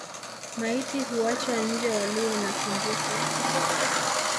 Maiti huachwa nje waliwe na tumbusi